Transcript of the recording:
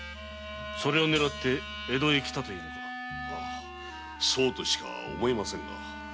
それを狙って江戸へ来たというのか？そうとしか思えませぬが。